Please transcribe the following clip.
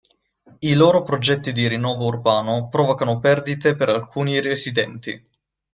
I loro progetti di rinnovo urbano provocarono perdite per alcuni residenti.